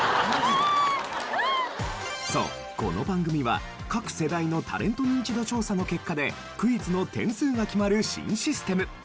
そうこの番組は各世代のタレントニンチド調査の結果でクイズの点数が決まる新システム。